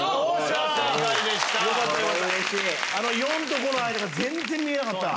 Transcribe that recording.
４と５の間が全然見えなかった。